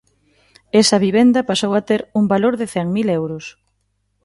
Esa vivenda pasou a ter un valor de cen mil euros.